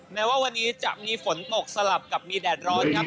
แม้ว่าวันนี้จะมีฝนตกสลับกับมีแดดร้อนครับ